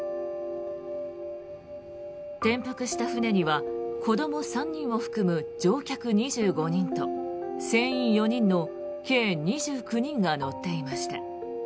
転覆した船には子ども３人を含む乗客２５人と船員４人の計２９人が乗っていました。